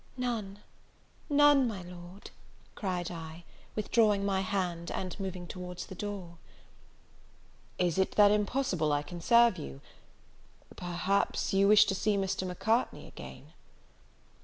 "None, none, my Lord!" cried I, withdrawing my hand, and moving towards the door. "Is it then impossible I can serve you? Perhaps you wish to see Mr. Macartney again?"